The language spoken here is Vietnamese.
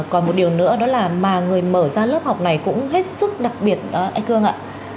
còn một điều nữa đó là mà người mở ra lớp học này cũng hết sức đặc biệt anh cương ạ